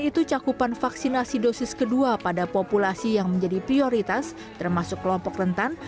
itu cakupan vaksinasi dosis kedua pada populasi yang menjadi prioritas termasuk kelompok rentan